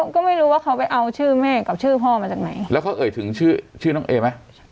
ก็ไม่รู้ว่าเขาไปเอาชื่อแม่กับชื่อพ่อมาจากไหนแล้วเขาเอ่ยถึงชื่อชื่อน้องเอไหม